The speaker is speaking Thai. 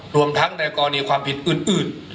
รวมทั้งในกรณีความผิดอื่น